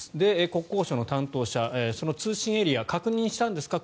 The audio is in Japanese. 国交省の担当者その通信エリアを確認したんですか？